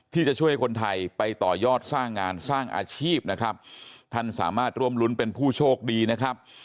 ที่จะช่วยคนไทยไปต่อยอดสร้างงานสร้างอาชีพนะครับท่านสามารถร่วมรุ้นเป็นผู้โชคดีนะครับ